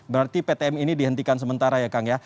berarti ptm ini dihentikan sementara ya kang ya